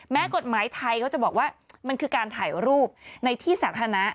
กฎหมายไทยเขาจะบอกว่ามันคือการถ่ายรูปในที่สาธารณะ